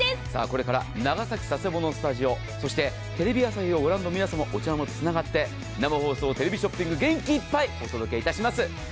これから長崎・佐世保のスタジオそしてテレビ朝日をご覧の皆さんとお茶の間とつながって「生放送テレビショッピング」元気いっぱいお届けいたします。